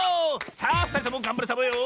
さあふたりともがんばるサボよ。